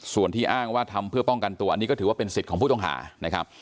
ส่วนที่อ้างว่าทำเพื่อป้องกันตัวอันนี้ก็ถือว่าเป็นสิทธิ์ของผู้ต้องหานะครับ